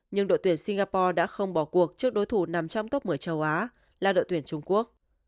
nhưng đội tuyển singapore đã không bỏ cuộc trước đối thủ nằm trong top một mươi châu á là đội tuyển trung quốc